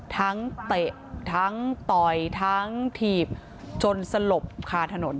เตะทั้งต่อยทั้งถีบจนสลบคาถนน